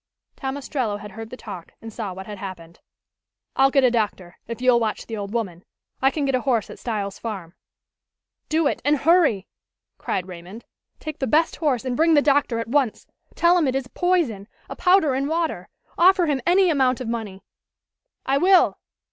Tom Ostrello had heard the talk and saw what had happened. "I'll get a doctor, if you'll watch the old woman. I can get a horse at Styles' farm." "Do it, and hurry!" cried Raymond. "Take the best horse and bring the doctor at once. Tell him it is poison a powder in water. Offer him any amount of money " "I will!"